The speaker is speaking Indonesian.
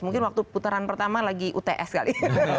mungkin waktu putaran pertama lagi uts kali